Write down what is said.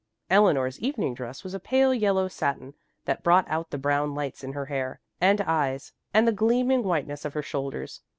Eleanor's evening dress was a pale yellow satin that brought out the brown lights in her hair and eyes and the gleaming whiteness of her shoulders.